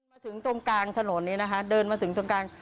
มาถึงตรงกลางถนนนี้นะคะเดินมาถึงตรงกลาง